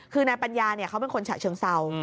คือนายปัญญาเขาเป็นคนฉะเชิงเศร้า